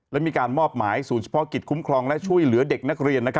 และมีการมอบหมายศูนย์เฉพาะกิจคุ้มครองและช่วยเหลือเด็กนักเรียน